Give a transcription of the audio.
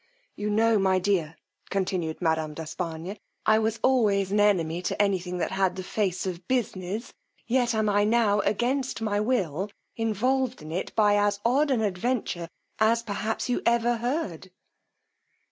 You know, my dear, continued madam d'Espargnes, I was always an enemy to any thing that had the face of business, yet am I now, against my will, involved in it by as odd an adventure as perhaps you ever heard.